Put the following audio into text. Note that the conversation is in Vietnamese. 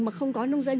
mà không có nông dân